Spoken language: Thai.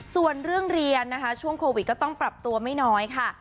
ส่วนเรื่องเรียนนะคะช่วงโควิดก็ต้องปรับตัวไม่น้อยค่ะ